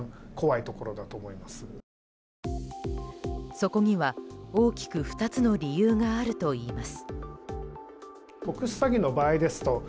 そこには大きく２つの理由があるといいます。